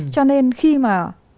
cho nên khi mà